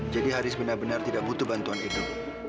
jadi haris benar benar tidak butuh bantuan edo